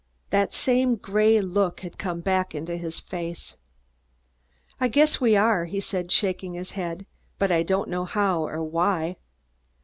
That same gray look had come back into his face. "I guess we are," he said, shaking his head, "but I don't know how or why."